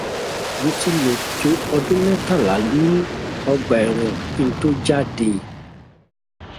Mo ti lò tó ọdún mẹ́tàlá ní ọgbà ẹ̀wọ̀n kí n tó jáde.